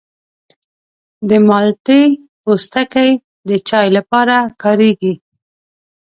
د مالټې پوستکی د چای لپاره کارېږي.